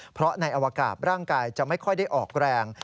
เพราะในอวกาศร่างกายจะไม่ค่อยได้ออกแรง